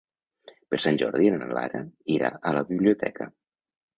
Per Sant Jordi na Lara irà a la biblioteca.